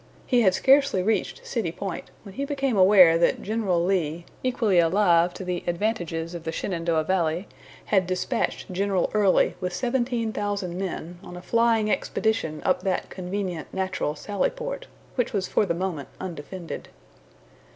He had scarcely reached City Point when he became aware that General Lee, equally alive to the advantages of the Shenandoah valley, had dispatched General Early with seventeen thousand men on a flying expedition up that convenient natural sally port, which was for the moment undefended.